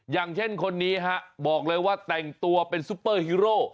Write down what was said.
อย่างเช่นคนนี้ฮะบอกเลยว่าแต่งตัวเป็นซุปเปอร์ฮีโร่